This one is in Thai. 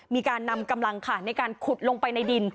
มีการนำกำลังค่ะในการขุดลงไปในดิน